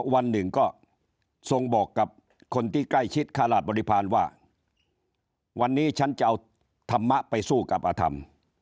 วันหนึ่งก็ทรงบอกกับคนที่ใกล้ชิดคาราชบริพาณว่าวันนี้ฉันจะเอาธรรมะไปสู้กับอธรรม